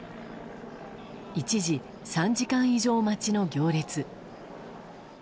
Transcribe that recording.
一時、３時間以上待ちの行列。